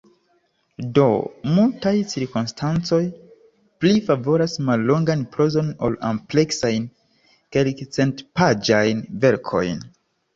Do, multaj cirkonstancoj pli favoras mallongan prozon ol ampleksajn, kelkcentpaĝajn verkojn.